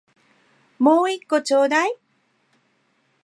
もう一個ちょうだい